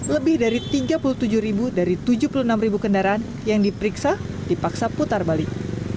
lebih dari tiga puluh tujuh dari tujuh puluh enam kendaraan yang diperiksa dipaksa putar balik